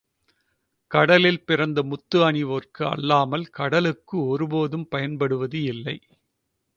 கடலில் பிறந்த முத்து அணிவோர்க்கு அல்லாமல் கடலுக்கு ஒருபோதும் பயன்படுவது இல்லை.